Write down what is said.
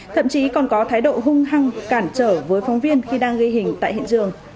thậm chí còn có thái độ hung hăng cản trở với phóng viên khi đang ghi hình tại hiện trường